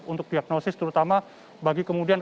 untuk diagnosis terutama bagi kemudian